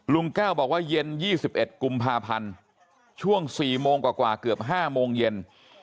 ลุงแก้วบอกว่าเย็น๒๑กุมภาพันธ์ช่วง๔โมงกว่าเกือบ๕โมงเย็น